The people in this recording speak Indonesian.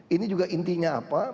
ini juga intinya apa